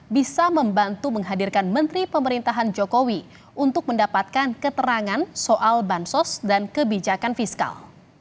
bisa membantu menghadirkan menteri pemerintahan jokowi untuk mendapatkan keterangan soal bansos dan kebijakan fiskal